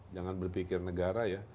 jangan berpikir negara ya